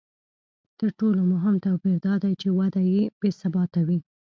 تر ټولو مهم توپیر دا دی چې وده بې ثباته وي